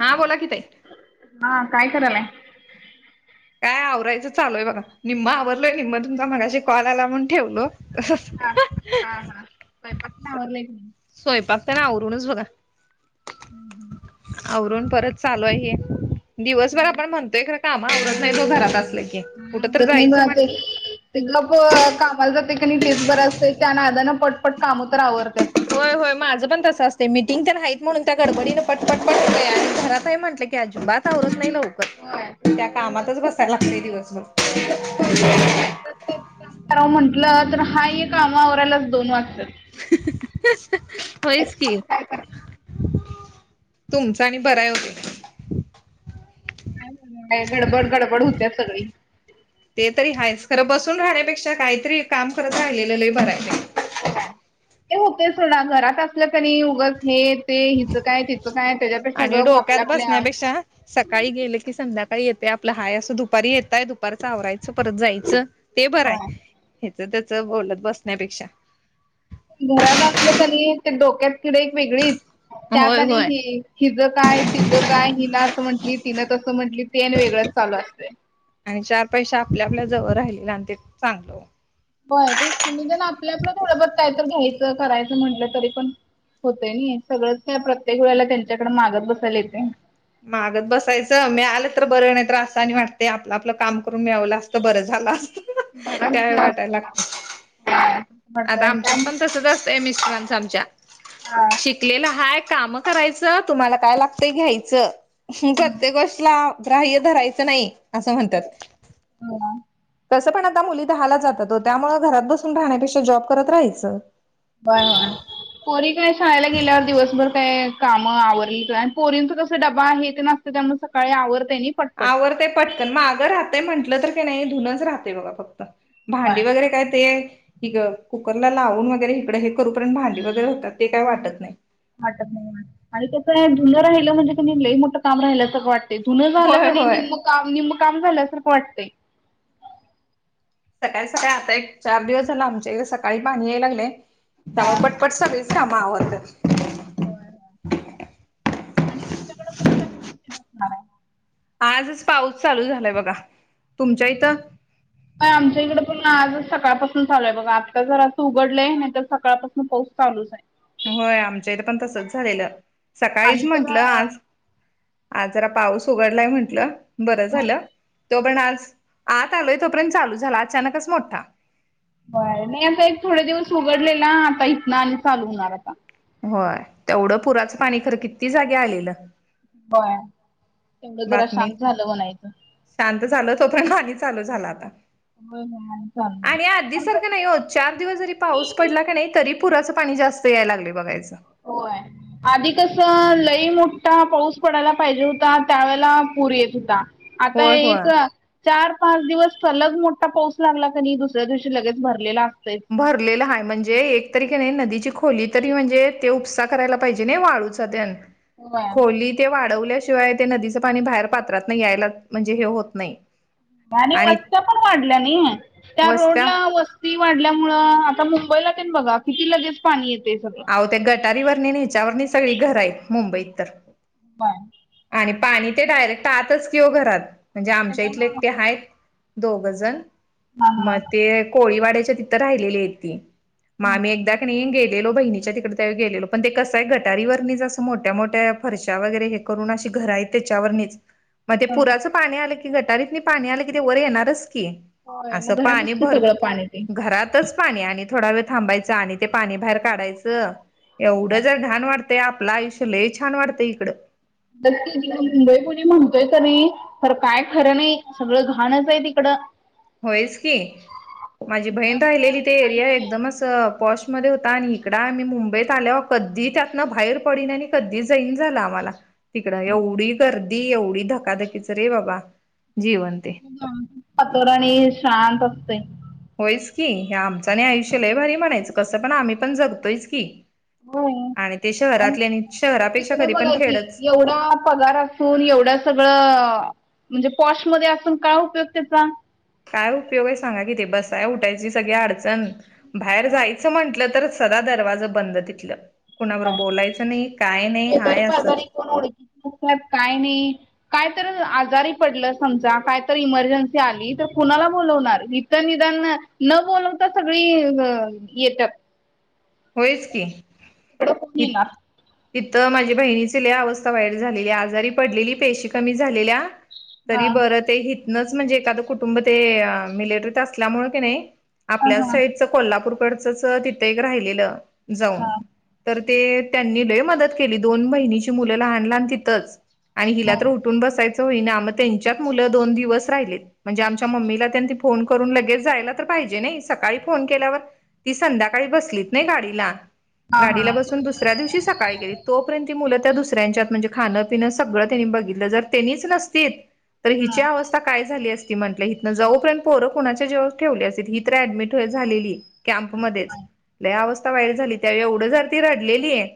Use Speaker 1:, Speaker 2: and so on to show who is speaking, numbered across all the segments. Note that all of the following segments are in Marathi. Speaker 1: हा बोला की ताई
Speaker 2: हा काय करालाय?
Speaker 1: काय आवरायचं चालू हाय बघा निम्म आवरलय निम्म तुमचा मगाशी कॉल आला म्हणून ठेवलो.
Speaker 2: हा
Speaker 1: [unintelligible]
Speaker 2: हा हा स्वयंपाक मं आवरलाय का नई
Speaker 1: स्वयंपाक तेन आवरूनच बघा आवरून परत चालू हाय हे दिवसभर आपण म्हणतोय खरं काम आवरत नाहीत ओ घरात असले
Speaker 2: हम्म [unintelligible] माझंच हे लोकं कामाला जाते की नाही तेच बरं असतं त्या नादानां पटपट काम तर आवरत्यात.
Speaker 1: होय होय माझं पण तसं असतय मीटिंग तर हाईत म्हणून त्या गडबडीनं पट पट पट [unintelligible] आणि घरात म्हटलं की अजिबात आवरत नाही लवं त्या कामातच बसायला लागतय दिवसभर
Speaker 2: एक काम करा म्हटलं तर हा एक काम आवरायलाच दोन वाजतात.
Speaker 1: होयच की
Speaker 2: असं काय करता
Speaker 1: तुमचा आणि बराय हो
Speaker 2: काय गडबड गडबड होत्या सगळी
Speaker 1: ते तरी आहेच खरं बसून राहण्यापेक्षा कायतरी काम करत राहिलेलं लय बराय
Speaker 2: ते होते सोडा घरात असलं कं नी उगच हे ते हिचं काय तिचं काय त्याच्यापेक्षा
Speaker 1: आणि
Speaker 2: गप
Speaker 1: डोक्यात
Speaker 2: आपल्या आपल्या
Speaker 1: बसण्यापेक्षा सकाळी गेलं की संध्याकाळी येतय आपला हाय असं दुपारी येतय दुपारच आवरायचं परत जायचं. ते बरं
Speaker 2: होय.
Speaker 1: आहे ह्याच त्याच बोलत बसण्यापेक्षा
Speaker 2: घरात असलं कनी ते डोक्यात किडे एक वेगळीच त्यात
Speaker 1: होय
Speaker 2: आणि
Speaker 1: होय
Speaker 2: हे हिजं काय तिजं काय हिला असं म्हंटली तिला तसं म्हटली ते आणि वेगळंच चालू असतय.
Speaker 1: आणि चार पैसे आपल्या आपल्या जवळ राहिलेल आणि ते चांगलं ओ
Speaker 2: व्हय ते की निदान आपल्या आपल थोडंफार काही तर घ्यायचं करायचं म्हटलं तरी पण होतय नी सगळंच काय प्रत्येक वेळेला त्यांच्याकड मागत बसायला येतय.
Speaker 1: मागत बसायचं, मीळालं तर बरं नाही तर असं आणि वाटतय आपलं आपलं काम करून मिळवलं असतं बरं झालं असतं. त्यावेळी वाटायला
Speaker 2: बरच
Speaker 1: लागत
Speaker 2: [unintelligible]
Speaker 1: आता आमच्यात पण तसच असतय मिस्टरांच आमच्या,
Speaker 2: हा
Speaker 1: शिकलेला हाय काम करायचं तुम्हाला काय लागतय घ्यायचं. प्रत्येक गोष्टला ग्राह्य धरायचं नाही असं म्हणतात.
Speaker 2: हो ना
Speaker 1: तसं पण आता मुली दहालाचं जातात हो त्यामुळ घरात बसून राहण्यापेक्षा जॉब करत राहायचं.
Speaker 2: बर [unintelligible] पोरी काय शाळेला गेल्यावर दिवसभर काय कामं आवरली आणि पोरींच कस डबा हे तेन असतय त्यामुळे सकाळी आवरतय नई.
Speaker 1: आवरतय पटकन. मागं राहतय म्हंटलं तर की नई धुूनच राहतय बघा फक्त.
Speaker 2: बाय
Speaker 1: भांडी वगैरे काय ते, हीक -कुकरला लावून वगैरे हिकडं करू पर्यंत भांडी वगैरे होतात, ते काय वाटत नाही.
Speaker 2: वाटत नाही. आणि कसंय धून राहिलं म्हणजे कणी लई मोठं काम राहिल्या सारखं वाट धूनं झालं
Speaker 1: होय
Speaker 2: कणी
Speaker 1: होय
Speaker 2: निम्म काम निम्म काम झाल्या सारखं वाटतंय.
Speaker 1: सकाळी सकाळी आता एक चार दिवस झाल आमच्या इथ सकाळी पाणी याय लागलय. त्यामुळं पट पट सगळीच कामं आवरत्यात.
Speaker 2: व्हय व्हय आणि तुमच्याकड पण आता [unintelligible]
Speaker 1: आजच पाऊस चालू झालाय बघा, तुमच्या इथं?
Speaker 2: [inaudible] व्हय आमच्या इकडे पण आजच सकाळपासून चालूय बघा. आत्ता जरासं उघडलंय, नाही तर सकाळपासून पाऊस चालूच हाय.
Speaker 1: होय आमच्या इथ पण तसच झालेलं.
Speaker 2: आणि
Speaker 1: सकाळीच
Speaker 2: तर
Speaker 1: म्हंटलं आज आ जरा पाऊस उघडलाय म्हंटलं, बर झालं. तो पण आज आत आलोय तोपर्यंत चालू झाला, अचानकच मोठा.
Speaker 2: व्हय नई आता एक थोडे दिवस उघडलेला, आता इथन आणि चालू होणार आता.
Speaker 1: होय तेवढं पुराचं पाणी खरं किती जागी आलेलं.
Speaker 2: होय तेवढंच जरा
Speaker 1: बातमीत.
Speaker 2: शांत झालं म्हणायचं.
Speaker 1: शांत झालं तो पर्यंत आणि चालू झाला आता.
Speaker 2: होय होय आणि चालणार
Speaker 1: आणि आधी
Speaker 2: कसं
Speaker 1: सारखं नाही हो चार दिवस जरी पाऊस पडला कणी तरी पुराचं पाणी जास्त याय लागलय बघायच.
Speaker 2: होय. आधी कस लई मोठा पाऊस पडायला पाहिजे होता, त्यावेेळेला पूर येत होता. आता
Speaker 1: होय
Speaker 2: एक
Speaker 1: होय
Speaker 2: चार पाच दिवस सलग मोठा पाऊस लागला कणी, दुसऱ्या दिवशी लगेच भरलेला असतयच.
Speaker 1: भरलेलं आहे, म्हणजे एक तरीक नाही नदीची खोली तरी म्हणजे, ते उपसा करायला पाहिजे नाही वाळूच. सद्यान
Speaker 2: होय
Speaker 1: खोली. ते वाढवल्याशिवाय ते नदीचं पाणी बाहेर पात्रात नाही यायला म्हणजे हे होत नाही.
Speaker 2: आणि वस्त्या पण वाढल्या नाही, त्या
Speaker 1: वस्त्या
Speaker 2: रोडला वस् वस्ती वाढल्यामुळ, आता मुंबईला तेन बघा किती लगेच पाणी येते सगळं.
Speaker 1: आहो त्या गटारीवर नि ह्याच्यावरनी सगळी घर आहेत, मुंबईत तर.
Speaker 2: प
Speaker 1: आणि पाणी ते डायरेक्ट आतच किओ घरात, म्हंनजे आमच्या इथले
Speaker 2: त्याच्यामुळं
Speaker 1: एकटे हायत. दोघजन,
Speaker 2: हा हा.
Speaker 1: म ते कोळीवाड्याच्या तित राहिलेली आहेत ती. म आम्ही एकदा
Speaker 2: हा.
Speaker 1: कनी गेलेलो, बहिनीच्या तिकडं त्यावेळा गेलेलो, पण ते कसाय गटारीवरनीच असं मोट्या-मोट्या फर्श्या वगैरे हे करून अशी घर हाईत त्याच्यावरनीच म ते पुराच पाणी आलं की, गटारीतनी पाणी आलकी ते वर येणारचकी.
Speaker 2: होय मग
Speaker 1: असं पाणी
Speaker 2: घरातच की सगळं पाणी ते.
Speaker 1: भर--घरातच. पाणी आणि, थोडा वेळ थांबायचं आणि ते पाणी बाहेर काडायचं एवढं जर घाण वाट तय, आपलं आयुष्य लई छान वाटतंय इकडं.
Speaker 2: [unintelligible] मुंबई पुने म्हणतोय कनी. तर काय खरं नाही, सगळं घाणच आहे तिकडं.
Speaker 1: होईच की, माझी
Speaker 2: आपलं
Speaker 1: बहीण राहिलेली
Speaker 2: आपलं
Speaker 1: ते एरिया
Speaker 2: काही नाही,
Speaker 1: एकदमच पॉशमध्येध्ये होता, आणि इकड आम्ही मुंबईत आल्यावर कधी त्यातन बाहेर पडन आणि कधी जाईन झालं आम्हाला. तिकडं एवढी गर्दी, एवढी धकाधकीच रे बाबा जीवन ते.
Speaker 2: वातोरणी शांत असतंय.
Speaker 1: होयच की हे आमचं आणि आयुष्य लई भारी म्हनायचं कसं पण आम्ही पण जगतोयच की.
Speaker 2: होय
Speaker 1: आणि ते शहरातले आणि शहरापेक्षा कधी पण खेडंच.
Speaker 2: ढा पगार असून एवढं सगळं अ म्हणजे पॉशमध्ये असून काय उपयोग त्याचा?
Speaker 1: काय उपयोगय सांगाकि ते बसाय उटायची सगळी अडचन बाहेर जायचं म्हटलं तर सदा दरवाजं बंद तितलं कुणाबर बोलायचं नइ काय नई हाय असंच.
Speaker 2: कुठंच काय नाइ. कायतरअ आजारी पडलं समजा कायतर इमर्जन्सी आली तर कुणाला बोलवणार? इ त निदानअ न बोलवता सगळी ग येत्यात.
Speaker 1: होयचकी.
Speaker 2: इकडं कोन येनार?
Speaker 1: त्तीत माझी बहिणीची लई अवस्था वाईट झालेली आजारी पडलेली पेशी कमी झालेल्या.
Speaker 2: हा
Speaker 1: तरी बरं ते हितलच म्हणजे एकादं कुटुंब ते अ मिलिटरीत असल्यामुळं किनई.
Speaker 2: हा
Speaker 1: आपल्याच
Speaker 2: हा
Speaker 1: साईडच कोल्हापूरकडचंच तितं एक राहिलेलं जाऊन
Speaker 2: हा
Speaker 1: तर ते त्यांनी लई मदत केली दोन बहिनीची मुलं लहान लहान तितच आणि हिला
Speaker 2: हा
Speaker 1: तर उट् टून बसायचं हुईना म तेंच्यात मुलं दोन दिवस राहिले. म्हणजे आमच्या मम्मीला त्यांती फोन करून लगेच जायला तर पाहिजे नई सकाळी फोन केल्यावर ती संध्याकाळी बसली नई गाडीला गाडीला
Speaker 2: हा
Speaker 1: बसून दुसऱ्या दिवशीच सकाळी गेली तोपरेंत ती मुलं त्या दुसऱ्यांच्यात म्हणजे खानपिनं सगळं तेंनी बघितलं जर तेनीच नसतीत. तर हिची
Speaker 2: हा
Speaker 1: अवस्था काय झाली अस् ती म्हंटल हिथन जाऊपर्यंत पोरं कुणाच्या जिवावर ठेवली असल ही तर ऍडमिट झालेली कॅम्प मध्येच. लइ अवस्था वाईट झाली त्यावेळी एवढं जरती रडलेलीएय.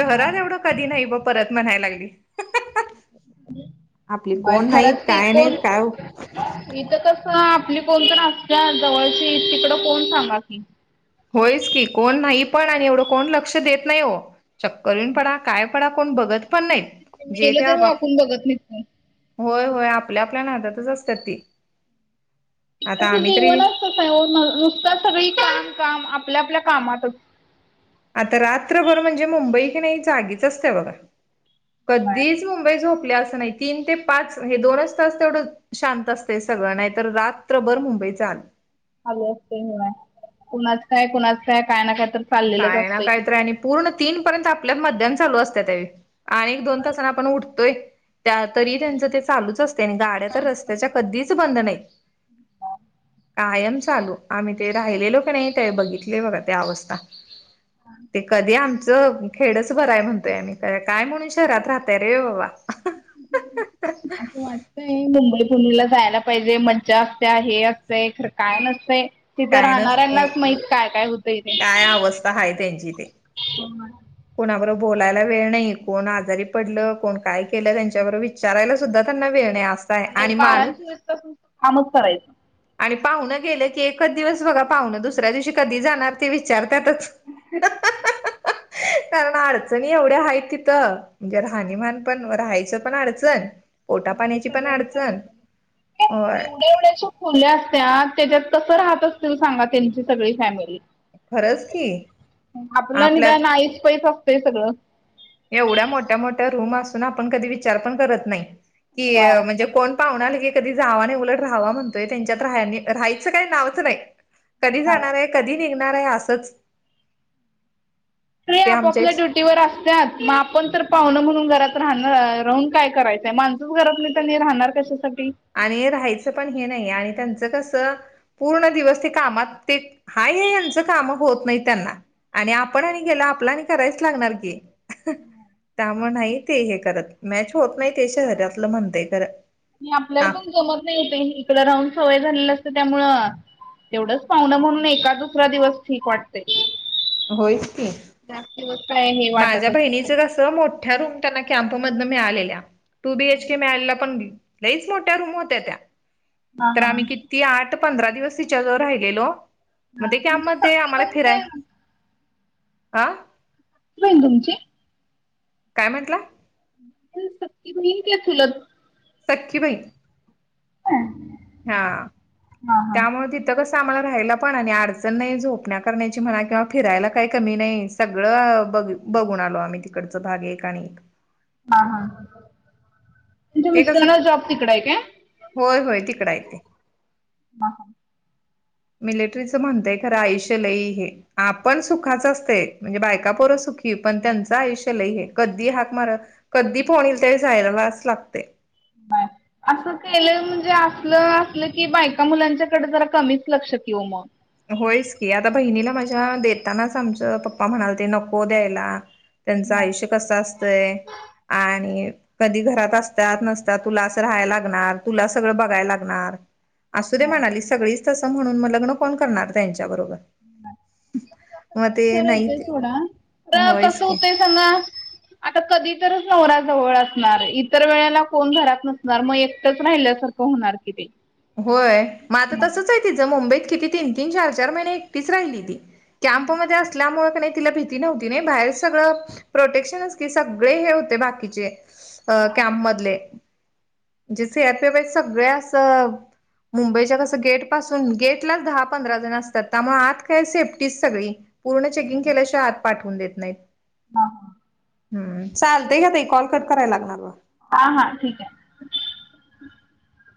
Speaker 2: हा.
Speaker 1: एवढं कधी नाही ब परत म्हणायला लागली. आपली
Speaker 2: म
Speaker 1: कोण नाहीत
Speaker 2: खरंच की
Speaker 1: काय नाहीत
Speaker 2: कोण
Speaker 1: काय
Speaker 2: इतं कसं आपली कोणतर असत्यात जवळची तिकड कोण सांगा की.
Speaker 1: होयच की कोन नाही पण आणि एवढं कोण लक्ष देत नाई ओ चक्कर यून पडा काय पडा कोण बघत पण नाइत जे ते
Speaker 2: गेलं तर
Speaker 1: आपाप
Speaker 2: वाकून बघत नाहीत कोण.
Speaker 1: होय होय आपल्या आपल्या नादातच असत्यात ती. आता
Speaker 2: तसं
Speaker 1: आम्ही तरी
Speaker 2: जीवनच तसाय ओ न् नुसतं सगळी काम काम आपल्या आपल्या कामातच.
Speaker 1: आता रात्रभर म्हणजे मुंबई की नाही जागीच असत्या बगा. कध्धीच मुंबई झोपल्या असं नाही. तीन ते पाच हे दोनच तास तेवडं शांत असतय सगळं नायतर रात्रभर मुंबई चालू.
Speaker 2: चालू असतय व्हंय कुणाच काय कुणाच काय कायना कायतर
Speaker 1: काय ना कायतर आणि पूर्ण तीन पर्यंत आपल्यात मध्यान चालू असत्या त्यावेळी. आणिक दोन तासान आपण उठतोय त्या तरी त्यांचं ते चालूच असतयं आणि गाड्या तर रस्त्याच्या कद्दीच बंद नाही. कायम चालू आम्ही ते राहिलेलो कीनई त्यावेळी बघितलंय बगा ते अवस्था.
Speaker 2: [inaudible]
Speaker 1: ते कधी आमचं खेडच बरय म्हणतोय आम्ही काय म्हणून शहरात राहतय रे बाबा.
Speaker 2: असं वाटतंय मुंबई पुणेला जायला पाहिजे मज्जा असत्या हे असतें खर काय नसतंय. तिथं
Speaker 1: काय नसते
Speaker 2: राहणाऱ्यांनाच माहित काय काय होतंय तेे.
Speaker 1: काय अवस्था आहे त्यांची ते.
Speaker 2: ह [inaudible]
Speaker 1: कोणाबरोबर बोलायला वेळ नाही कोण आजारी पडलं कोण काय केलं त्यांच्याबरोबर विच विचारायला सुद्धा त्यांना वेळ नाही. आहे
Speaker 2: आणेक
Speaker 1: आणि
Speaker 2: बारा्न
Speaker 1: माणूस
Speaker 2: चोवीस तास नुस् कामच करायचं.
Speaker 1: आणि पाहुण गेलं की एकच दिवस बगा पाहुणं दुसऱ्या दिवशी कधी जाणार. ते विचारत्यातच. कारण अडचणी एवढ्या आहेत तिथं म्हणजे राहणीमान पण राहायचं पण अडचण पोटा
Speaker 2: बर
Speaker 1: पाण्याची पण
Speaker 2: सगळं चालेल
Speaker 1: अडचण
Speaker 2: मला
Speaker 1: होय
Speaker 2: एवढ्या एवढ्या खुल्या असत्या त्याच्यात कसं राहत असतील सांगा त्यांची सगळी फॅमिली?
Speaker 1: खरंच की
Speaker 2: आपलं
Speaker 1: आपल्यात
Speaker 2: निदानानईच पैस असतंय सगळं
Speaker 1: एवढ्या मोठ्या मोठ्या रूम असून आपण कधी विचार पण करत नाही की
Speaker 2: होय
Speaker 1: म्हणजे कोण पाहु आली की कधी जावा नाही उलट राहावा म्हणतोय त्यांच्यात राहयनी राहायचं काही नावचं नाही कधी
Speaker 2: होय
Speaker 1: जाणार आहे कधी निघणार आहे असंच
Speaker 2: अे
Speaker 1: ते आमच्या
Speaker 2: आपापल्या
Speaker 1: इथ
Speaker 2: ड्युटी वर असत मग आपण तर पाहण म्हणून घरात राहणार राहून काय करायचंय माणस घरात नाही तर राहणार कशासाठी
Speaker 1: आणि राहायचं पण हे नाही आणि त्यांचं कसं पूर्ण दिवस ते कामात ते हाय यांचं काम होत नाही त्यांना आणि आपण आणि गेला आपला आणि करायच लागणार की त्यामुळे नाही ते हे करत मॅच होत नाही ते शहरातलं म्हणतेय खं
Speaker 2: मी आपल्याला पण जमत नाही होते इकड राहून सवय झालेली असतं त्यामुळ तेवढंच पाहणं म्हणून एका दुसरा दिवस ठीक वाटते
Speaker 1: होयच की
Speaker 2: जास् ग काय
Speaker 1: माझ्या बहिणीच कस मोठ्या रूम त्यांना कॅम्पमधन मिळालेल्या टू बीएच के मिळाला पण लईच मोठ्या रूम होत्या त्या तर आम्ही किती आठ पंधरा दिवस तिच्याजवळ राहिलेलो म्हण ते की आममध्ये आम्हाला फिराय आं
Speaker 2: होईल तुमची
Speaker 1: काय म्हटलं
Speaker 2: सक््य ब क सुल
Speaker 1: सखीबाई
Speaker 2: ह
Speaker 1: हा त्यामध्ये तथ क साांमला राहायला पण आणि अडचण नाही झोपण्या करण्याची म्हणा किंवा फिरायला काही कमी नाही सगळं बघ बघून आलो आम्ही तिकडच भाग एक आणि एक
Speaker 2: हा हा म्हच्या
Speaker 1: ते कसं
Speaker 2: मिस्टरना जॉब तिकड आहे का
Speaker 1: होय होय तिकड येते मिलिटरीचं म्हणतेय खरं आईुष लई हे आपण सुखाच असते म्हणजे बायकापोरं सुखी पण त्यांचं आयुष्य लय हे कधी हाक मार कधी फोनलरी जायलालाच लागते
Speaker 2: बाय असं केलं म्हणजे असलं असलं की बायका मुलांच्याकडे जरा कमीच लक्षात ठ येऊ मग
Speaker 1: होयच की आता बहिणीला माझ्या देतानाच आमचं पप्पा म्हणाल ते नको द्यायला त्यांचं आयुष्य कस असतय आणि कधी घरात असतात नसतात तुला असं राहायला लागणार तुला सगळं बघायला लागणार असू देे म्हणाली सगळीच तसं म्हणून मग लग्न कोण करणार त्यांच्या बरोबर
Speaker 2: तस
Speaker 1: मग
Speaker 2: पण
Speaker 1: ते नाही
Speaker 2: विचारायचंय
Speaker 1: ते
Speaker 2: थोडा तर
Speaker 1: होयच
Speaker 2: तस
Speaker 1: की
Speaker 2: होतय सना आता कधी तरच नवरा्याजवळ असणार इतर वेळेला कोण घरात नसणार मग एकटंच राहिल्यासारखं होणार कि ते
Speaker 1: होय मग आता तसच आहे तिझं मुंबईत किती तीन तीन चार चार महिने एकटीच राहिली ती कॅम्प मध्ये असल्यामुळे नाही तिला भ ती नव्हती नाही बाहेर सगळं प्रोटेक्शन की सगळे हे होते बाकीचे अ कॅम्प मधले म्हणजे सी आरपी सगळ्या असं मुंबईच्या कसं गेट पासून गेटलाच दहा पंधरा जण असतात त्यामुळे आत काय सेफ्टी सगळी पूर्ण चेकिंग केल्याशिवाय आत पाठवून देत नाहीत
Speaker 2: [inaudible]
Speaker 1: हूं चालत क तई कॉल कट कराय लागणार ब
Speaker 2: हा हा ठीक हे.